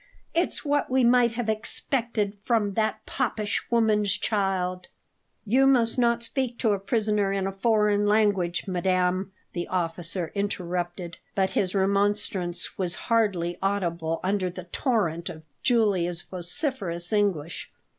It's what we might have expected from that Popish woman's child " "You must not speak to a prisoner in a foreign language, madam," the officer interrupted; but his remonstrance was hardly audible under the torrent of Julia's vociferous English.